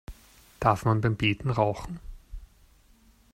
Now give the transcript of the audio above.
Darf man beim Beten rauchen?